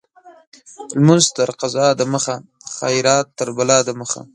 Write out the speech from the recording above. لمونځ تر قضا د مخه ، خيرات تر بلا د مخه.